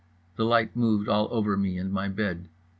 The light moved all over me and my bed.